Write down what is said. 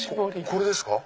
これですか！